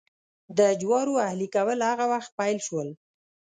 د جوارو اهلي کول هغه وخت پیل شول.